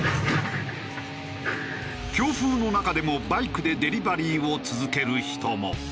強風の中でもバイクでデリバリーを続ける人も。